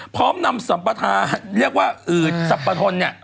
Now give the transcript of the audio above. พร้อมนำสัมปทาเรียกว่าอืดสรรพทนเนี่ย